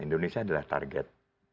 indonesia adalah target